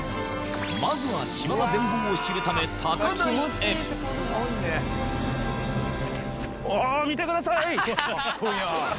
まずは島の全貌を知るためお見てください！